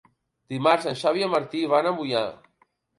Dimarts en Xavi i en Martí van a Moià.